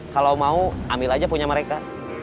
kalau mau ambil aja punya mereka